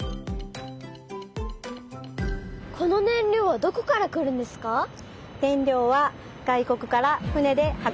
この燃料はどこから来るんですか？